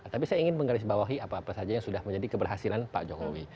tapi saya ingin menggarisbawahi apa apa saja yang sudah menjadi keberhasilan pak jokowi